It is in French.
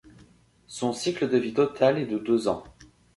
Son cycle de vie total est de deux ans.